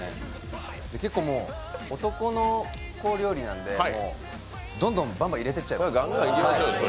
結構、男の子料理なんで、どんどんバンバン入れてっちゃいます。